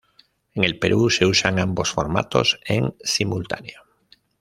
En el Perú se usan ambos formatos en simultáneo.